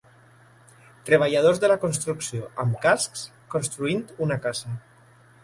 Treballadors de la construcció amb cascs construint una casa.